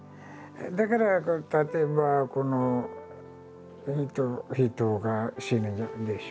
だから例えば人が死ぬでしょ。